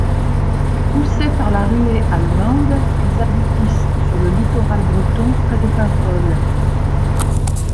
Poussés par la ruée allemande, ils aboutissent sur le littoral breton, près de Paimpol.